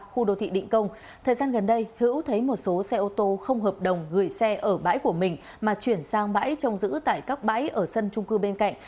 khu đô thị định công thời gian gần đây hữu thấy một số xe ô tô không hợp đồng gửi xe ở bãi của mình mà chuyển sang bãi trồng giữ tại các bãi ở sân trung cư bên cạnh